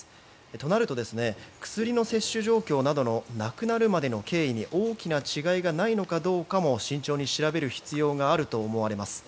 となると、薬の摂取状況などの亡くなるまでの経緯に大きな違いがないのかどうかも慎重に調べる必要があると思われます。